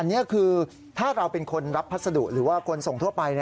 อันนี้คือถ้าเราเป็นคนรับพัสดุหรือว่าคนส่งทั่วไป